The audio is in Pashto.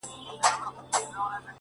ستړى په گډا سومه -چي-ستا سومه-